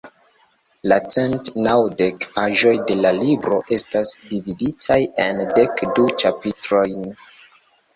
La cent naŭdek paĝoj de la libro estas dividitaj en dek du ĉapitrojn.